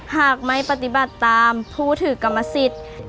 หากไม่ปฏิบัติตามผู้ถือกรรมสิทธิ์